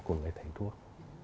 của người thầy thuốc